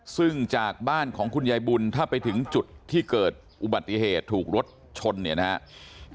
ซึ่งจากบ้านของคุณยายบุญถ้าไปถึงจุดที่เกิดอุบัติเหตุถูกรถชนเนี่ยนะครับ